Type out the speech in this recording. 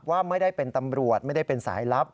ว่าไม่ได้เป็นตำรวจไม่ได้เป็นสายลับ